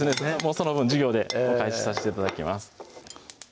その分授業でお返しさせて頂きます